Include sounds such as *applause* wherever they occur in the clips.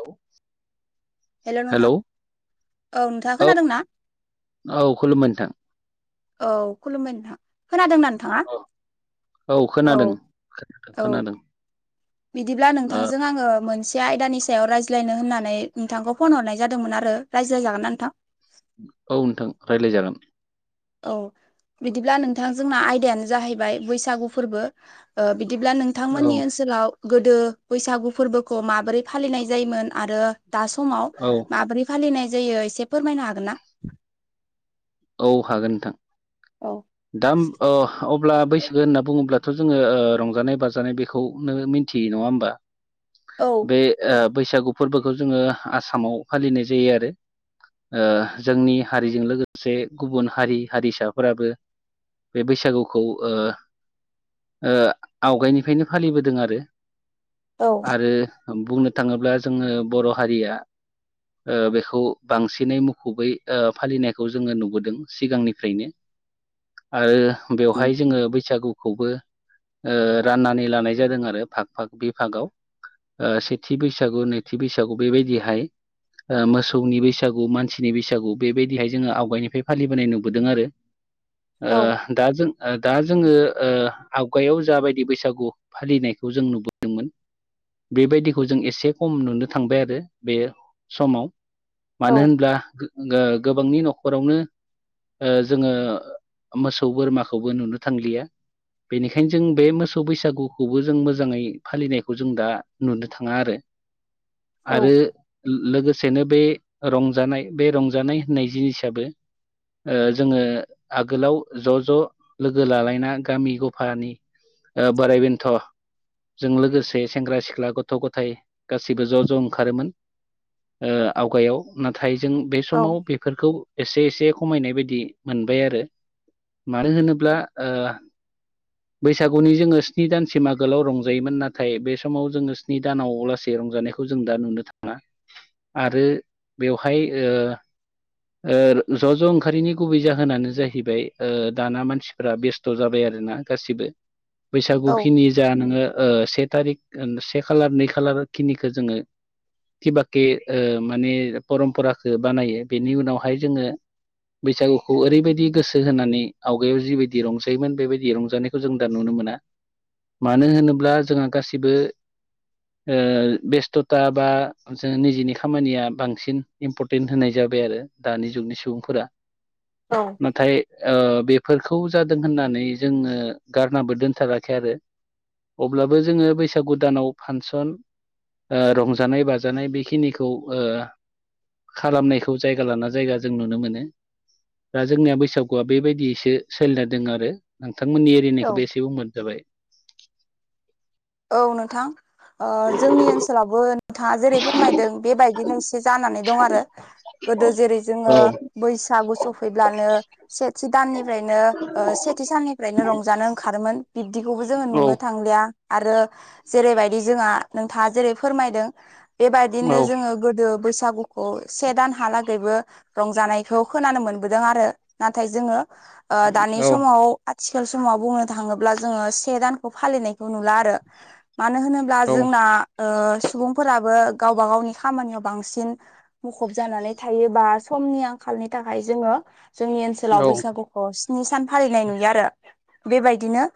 औ हेल' नोंथां हेलौ नोंथाङा औ खोनादोंना औ खुलुमबाय नोंथां। औ खुलुमबाय नोंथां खोनादोंना नोंथाङा औ औ खोनादों खोनादों औ खोनादों बिदिब्ला ओ नोंथांजों आङो मोनसे आयदानि सा याव रायज्लायनो होननानै नोंथांखौ फन हरनाय जादोंमोन आरो रायज्लायजागोन ना नोंथां? औ नोंथां रायज्लाय जागोन। औ बिदिब्ला नोंथां जोंना आयदायानो जाहैबाय बैसागु फोरबो बिदिब्ला ओ नों औ नोंथांमोननि ओनसोलाव गोदो बैसागु फोरबोखौ माबोरै फालिनाय जायोमोन आरो दा समाव औ माब्रै फालिनाय जायो एसे फोरमायनो हागोन ना? औ हागोन नोंथां औ दा ओम अब्ला बैसागु होनना बुङोब्ला थ' जोङो ओ रंजानाय बाजानाय बेखौनो मिन्थियो नङा होमबा औ बे ओ बैसागु फोरबोखौ जोङो आसामाव फालिनाय जायो आरो। ओ जोंनि हारिजों लोगो से गुबुन हारि हारिसाफोराबो बे बैसागुखौ ओ ओ आवगायनिफ्रायनो फालिबोदों आरो। औ आरो बुंनो थाङोब्ला जोङो बर' हारिया ओ बेखौ बांसिनै मुखुबै ओ फालिनाय खौ जोङो नुबोदों सिगांनिफ्रायनो आरो बेवहाय जोङो बै सागुखौबो ओ राननानै लानाय जादों आरो भाग भाग बे फागाव। ओ सेथि बैसागु नैथि बैसागु बेबायदिहाय ओ मोसौनि बैसागु मानसिनि बैसागु बेबायदिहाय जोङो आवगायनिफ्राय फालिबोनाय नुबोदों आरो ओ औ दा जों ओ दा जोङो ओ आवगायाव जाबायदि बैसागु फालिनायखौ जों नुबोदोंमोन बेबायदिखौ जों एसे खम नुनो थांबाय आरो बे समाव। औ मानो होनब्ला गो ओ गोबांनि न'खरावनो ओ जोङो मोसौ बोरमाखौबो नुनो थांलिया। बेनिखायनो जों बे मोसौ बैसागुखौबो जों मोजाङै फालिनायखौ जों दा नुनो थाङा आरो। आरो लोगोसेनो बे रंजानाय बे रंजानाय नै जिनिसआबो ओ जोङो आगोलाव ज' ज' लोगो लालायना गामि गफानि ओ बोराय बेनथ' जों लोगोसे सेंग्रा-सिख्ला गथ'-गथाय गासैबो ज' ज' ओंखारोमोन। ओ आवगायाव नाथाय जों बे औ समाव बे फोरखौ एसे एसे खमायनाय बायदि मोनबाय आरो। मानो होनोब्ला ओ *inaudible* बैसागुनि जोङो स्नि दानसिम आगोलाव रंजायोमोन नाथाय बे समाव जोङो स्नि दानाव लासै रंजानाय खौ जों दा नुनो थाङा आरो बेवहाय ओ ओ ज' ज' ओंखारनि गुबै जाहोनानो जाहैबाय ओ दाना मानसिफ्रा बेस्थ' जाबाय आरो ना गासिबो। बैसागु औ खिनि जा नोङो ओ से तारिख से खालार, नै खालार खिनिखौ जोङो कि बाके ओ माने परमपराखौ बानायो बेनि उनावहाय जोङो बैसागुखौ ओरैबायदि गोसो होनानै आवगायाव जिबायदि रंजायोमोन बेबायदि रंजानाय खौ जों दा नुनो मोना। मानो होनोब्ला जोंहा गासिबो ओ बेस्ट'था बा जों निजेनि खामानिया बांसिन इम्परटेन्ट होनाय जा बाय आरो दानि जुगनि सुबुंफोरा। औ नाथाय ओ बेफोरखौ जादों होननानै जोङो गारनाबो दोनथाराखै आरो। अब्लाबो जोङो बैसागु दानाव फांसन ओ रंजानाय बाजानाय बेखिनिखौ ओ खालामनाय‌ खो खौ जायगा लाना जायगा जों नुनो मोनो। दा जोंनिया बैसागुआ बेबायदिसो सोलिना दङ आरो। नोंथांमोननि औ एरैनिखौबो एसे बुंबानो जाबाय। औ नोंथां। ओ जोंनि ओनसोलावबो नोंथाङा जेरै फोरमायदों बे बायदिनो एसे जानानै दं आरो। गोदो जेरै जोङो औ बैसागु सफैब्लानो सेथि दाननिफ्रायनो ओ सेथि साननिफ्रायनो रंजानो ओंखारोमोन। बिब्दिखौबो जोङो औ नुनो थांलिया। आरो जेरैबायदि जोंहा नोंथाङा जेरै फोरमायदों बेबायदिनो जोङो गोदो बैसागु खौ से दानहालागैबो रंजानायखौ खोनानो मोनबोदों आरो नाथाय जोङो ओ दानि औ समाव आथिखाल समाव बुंनो थाङोब्ला जोङो से दानखौ फालिनाय खौ नुला आरो मानो होनोब्ला जोंना ओ सुबुंफोराबो गावबा गावनि खामानियाव बांसिन मुखुब जानानै थायो बा समनि आंखालनि थाखाय जोङो जोंनि ओनसोलाव बैसागुखौ स्नि सान फालिनाय नुयो आरो बे बायदिनो।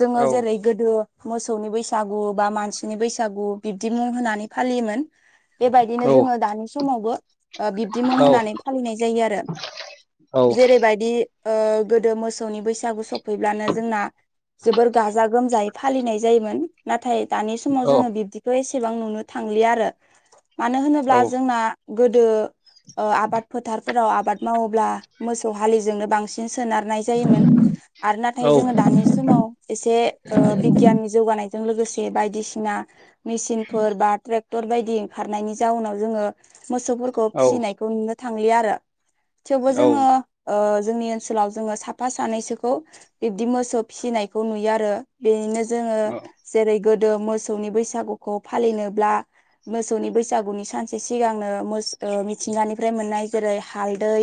जोङो जेरै गोदो मोसौनि बैसागु बा मानसिनि बैसागु बिब्दि मुं होनानै फालियोमोन। बे बायदिनो जोङो दानि समावबो ओ बिब्दि मुं औ होनानै फालिनाय जायो आरो। औ जेरैबायदि ओ गोदो मोसौनि बैसागु सफैब्लानो जोंना जोबोर गाजा गोमजायै फालिनाय जायोमोन नाथाय दानि समाव औ जोङो बिब्दिखौ एसेबां नुनो थांलि आरो। मानो होनोब्ला औ जोंना गोदो ओ आबाद फोथारफोराव आबाद मावोब्ला मोसौ हालिजोंनो बांसिन सोनारनाय जायोमोन आरो नाथाय जोङो दानि समाव एसे ओ बिगियाननि जौगानायजों लोगोसे बायदिसिना मेसिनफोर बा ट्रेक टर बायदि ओंखारनायनि जाउनाव जोङो मोसौफोरखौ फिसिनायखौ नुनो थांलि आरो। थेवबो जोङो ओ जोंनि ओनसोलाव जोङो साफा सानैसोखौ बिब्दि मोसौ फिनायखौ नुयो आरो। बेनिनो जोङो जेरै गोदो मोसौनि बैसागुखौ फालिनोब्ला मोसौनि बैसागुनि सानसे सिगांनो मोस ओ मिथिंगानिफ्राय मोननाय जेरै हालदै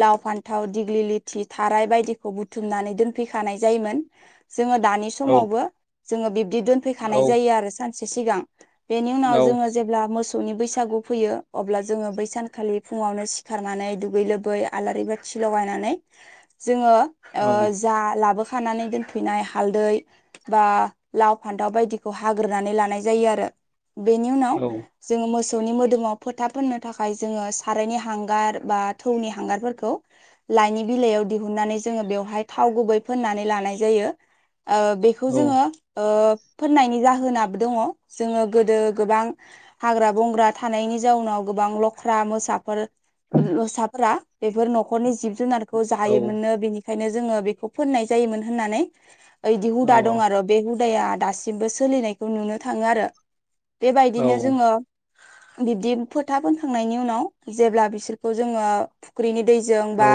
लाव फान्थाव दिग्लि लिथि थाराय बायदिखौ बुथुमनानै दोनफैखानाय जायोमोन। जोङो दानि स समावबो जोङो बिब्दि दोनफैखानाय जायो आरो सानसे सिगां बेनि उनाव जोङो जेब्ला मोसौनि बैसागु फैयो अब्ला जोङो बैसानखालि फुङावनो सिखारनानै दुगै लोबै आलारि बाथि लगायनानै जोङो ओ जा लाबोखानानै दोनफैनाय हालदै बा लाव फान्थाव बायदिखौ हाग्रोनानै लानाय जायो आरो बेनि उनाव जोङो मोसौनि मोदोमाव फोथा फोननो थाखाय जोङो सारायनि हांगार बा थौनि हांगारफोरखौ लाइनि बिलाइयाव दिहुननानै जोङो बेवहाय थाव गुबै फोननानै लानाय जायो। ओ बेखौ जोङो ओ फोननायनि जाहोनाबो दङ जोङो गोदो गोबां हाग्रा बंग्रा थानायनि जाउनाव गोबां लख्रा मोसाफोर लसाफोरा बेफोर न'खरनि जिब जुनारखौ जायोमोनो बेनिख खायनो जोङो बेखौ फोननाय जायोमोन होननानै ओदि हुदा दं आरो बे हुदाया दासिमबो सोलिनायखौ नुनो थाङो आरो बेबायदिनो जोङो बिब्दि फोथा फोनखांनायनि उनाव जेब्ला बिसोरखौ जोङो फुख्रिनि दैजों बा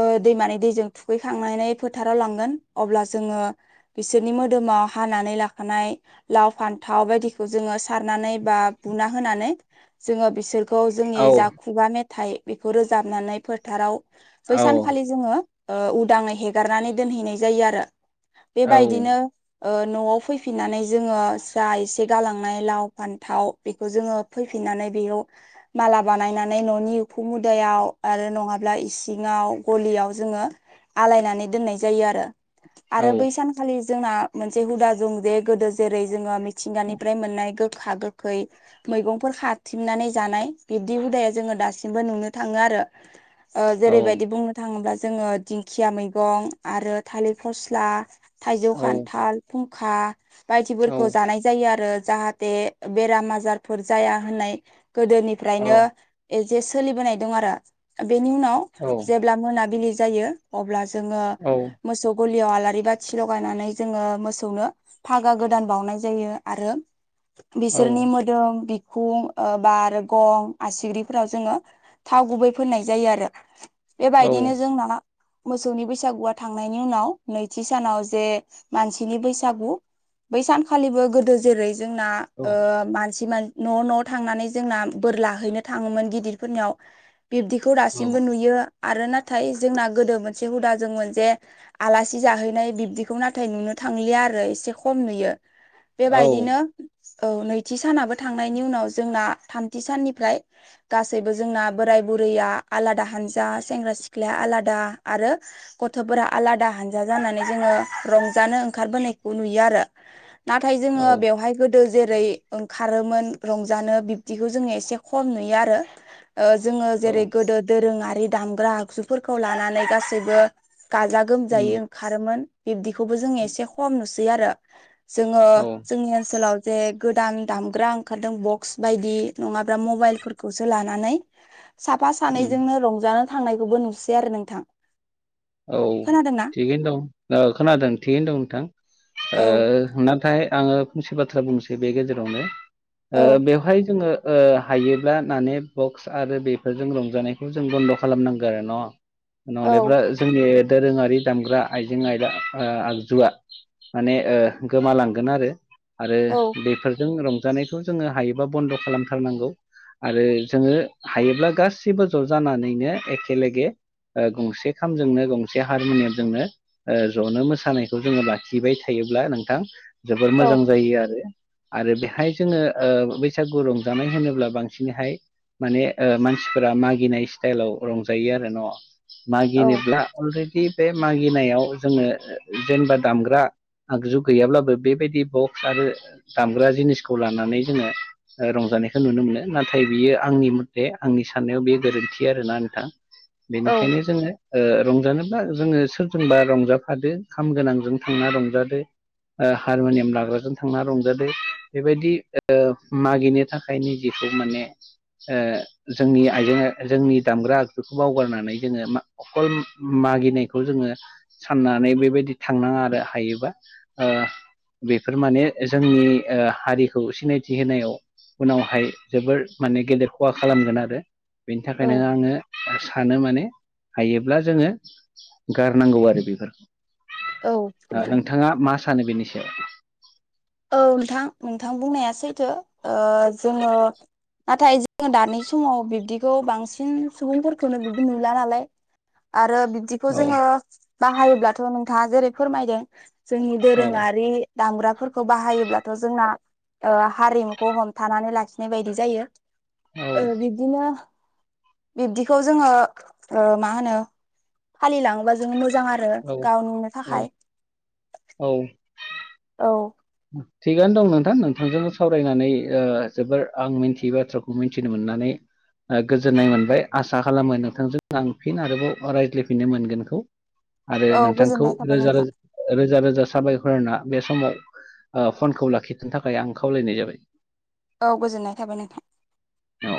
ओ दैमानि दैजों थुखैखांनानै फोथाराव लांगोन अब्लास जोङो बिसोरनि मोदोमाव हानानै लाखानाय लाव फान्थाव बायदिखौ जोङो सारनानै बा बुना होनानै जोङो बिसोरखौ जोंनि जा खुगा मेथाइ बेखौ रोजाबनानै फोथाराव बै सानखालि जोङो ओ उदाङै हेगारनानै दोनहैनाय जायो आरो बेबायदिनो ओ न'आव फैफिननानै जोङो जा एसे गालांनाय लाव फान्थाव बेखौ जोङो फैफिननानै बेय' माला बानायनानै न'नि उखु मुदायाव आरो नङाब्ला इसिङाव गलियाव जोङो आलायनानै दोननाय जायो आरो आरो बै सानखालि जोंना मोनसे हुदा जों जे गोदो जेरै जोङो मि थिंगानिफ्राय मोननाय गोखा गोखै मैगंफोर खाथेमनानै जानाय बिब्दि हुदाया जोङो दासिमबो नुनो थाङो आरो ओ जेरैबायदि बुंनो थाङोब्ला जोङो दिंखिया मैगं आरो थालिर फस्ला थाइजौ खान्थाल फुंखा बायदिफोरखौ जानाय जायो आरो जाहाथे बेराम आजारफोर जाया होननाय गोदोनिफ्रायनो ए जे सोलिबोनाय दं आरो बेनि उनाव औ ब्ला मोनाबिलि जायो अब्ला जोङो मोसौ गलियाव आलारि बाथि लगायनानै जोङो मोसौनो फागा गोदान बावनाय जायो आरो बिसोरनि मोद दोम बिखुं ओ बा आरो गं आसिग्रिफोराव जोङो थाव गुबै फोननाय जायो आरो बेबायदिनो जोंना मोसौनि बैसागुआ थांनायनि उनाव नैथि सानाव जे मानसिनि बैसागु बै सानखालिबो गोदो जेरै जोंना ओ मानसि मान न' न' थांनानै जोंना बोर लाहैनो थाङोमोन गिदिरफोरनियाव बिब्दिखौ दासिमबो नुयो आरो नाथाय जोंना गोदो मोनसे हुदा जोङो जे आलासि जाहैनाय बिब्दिखौ नाथाय नुनो थांलिया आरो इसे खम नुयो बेबायदिनो औ नैथि सानाबो थांनायनि उनाव जोंना थामथि साननिफ्राय गासैबो जोंना बोराय बुरैया आलादा हानजा सेंग्रा सिख्लाया आलादा आरो गथ'फोरा आलादा हानजा जानानै जोङो रंजानो ओंखारबोनायखौ नुयो आरो नाथाय जोङो बेवहाय गोदो जेरै ओंखारोमोन रंजानो बिब्दिखौ जोङो एसे खम नुयो आरो। ओ जोङो जेरै गोदो दोरोङारि दामग्रा आगजुफोरखौ लानानै गासैबो गाजा गोमजायै ओंखारोमोन बिब्दिखौबो जोङो एसे खम नुसै आरो। जोङो जोंनि ओनसोलाव जे गोदान दामग्रा ओंखारदों बक्स बायदि नङाब्ला मबाइल फोरफोरखौसो लानानै साफा सानैजोंनो रंजानो थांनायखौबो नुसै आरो नोंथां। औ खोनादोंना थिगैनो दं दा खोनादों थिगैनो दं नोंथां औ ओ नाथाय आङो फंसे बाथ्रा बुंनोसै बे गेजेरावनो औ ओ बेवहाय जोङो ओ हायोब्ला माने बक्स आरो बेफोरजों रंजानायखौ जों बन्द' खालामनांगौ आरो न'। औ नहलेबा जोंनि दोरोङारि दामग्रा आइजें आयदा आ-आगजुआ माने ओ गोमालांगोन आरो आरो औ बेफोर जों रंजानायखौ जोङो हायोबा बन्द' खालामथारनांगौ आरो जोङो हायोब्ला गासिबो ज' जानानैनो एखेेलगे ओ गंसे खामजोंनो गंसे हारमुनियामजोंनो ओ जनो मोसानायखौ जोङो लाखिबाय थायोब्ला नोंथां जोबोर औ मोजां जायो आरो। आरो बेहाय जोङो ओ बैसागु रंजानाय होनोब्ला बांसिनहाय माने ओ मानसिफोरा मागिनाय स्टाइलाव रंजायो आरो न'। जेनेब्ला अलरेडि बे मागिनायाव जोङो जेनेबा दामग्रा आगजु गैयाब्लाबो बेबायदि बक्स आरो दामग्रा जिनिसखौ लानानै जोङो रंजानायखौ नुनो मोनो नाथाय बियो आंनि मथे आंनि साननायाव बे गोरोन्थि आरोना नोंथां। औ बेनिखायनो जोङो ओ रंजानोबा जोङो सोरजोंबा रंजाफादो खाम गोनांजों थांना रंजादो। ओ हारम'नियाम लाग्राजों थांना रंजादों बेबायदि ओ मागिनो थाखायनो निजिखौ माने ओ जोंनि आइजें जोंनि दामग्रा आगजुखौ बावगारनानै जोङो मा अखल मागिनायखौ जोङो साननानै बेबायदि थांनाङा आरो हायोबा ओ। बेफोर माने जोंनि ओ हारिखौ सिनायथि होनायाव उनावहाय जोबोर माने गेदेर खहा खालामगोन आरो। बेनि थाखायनो औ आङो सानो माने हायोब्ला जोङो गारनांगौ आरो बेफोरखौ। औ। थाङा मा सानो बेनि सायाव? औ नोंथां नोंथां बुंनाया सैथो ओ जोङो नाथाय जोङो दानि समाव बिब्दिखौ बांसिन सुबुंफोरखौनो बिब्दि नुला नालाय। आरो बिब्दि खौ औ जोङो बाहायोब्लाथ' नोंथाङा जेरै फोरमायदों जोंनि औ दोरोङारि दामग्राफोर खौ बाहायोब्लाथ' जोंना ओ हारिमुखौ हमथानानै लाखिनाय बायदि जायो। औ ओ बिब्दिनो बिब्दिखौ जोङो ओ मा होनो फालिलाङोबा जों मोजां आरो औ गाव नुनो औ थाखाय। औ। औ। थिगानो दं नोंथां नोंथांजोंबो सावरायनानै ओ जोबोर आं मिन्थियै बाथ्राखौ मिन्थिनो मोननानै ओ गोजोननाय मोनबाय आसा खालामो नोंथांजों आं फिन आरोबाव रायज्लायफिननो मोनगोनखौ आरो औ नोंथांखौ गोजोननाय थाबाय रोजा नोंथां रोजा रोजा रोजा साबायखरना बे समाव ओ फनखौ लाखिथनो थाखाय आं खावलायनाय जाबाय। औ गोजोननाय थाबाय नोंथां। औ